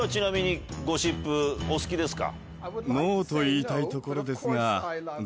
ノーと言いたいところですが。